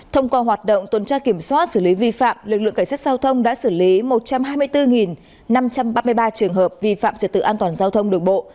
thông qua hoạt động tuần tra kiểm soát xử lý vi phạm lực lượng cảnh sát giao thông đã xử lý một trăm hai mươi bốn năm trăm ba mươi ba trường hợp vi phạm trật tự an toàn giao thông đường bộ